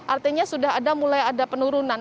artinya sudah ada mulai ada penurunan